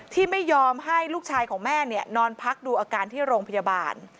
ที่ไม่ยอมให้ลูกชายของแม่นอนพักดูอาการที่โรงพยาบาล